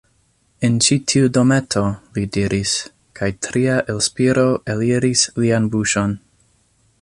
En ĉi tiu dometo, li diris, kaj tria elspiro eliris lian buŝon.